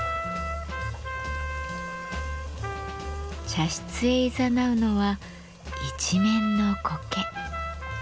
茶室へいざなうのは一面のコケ。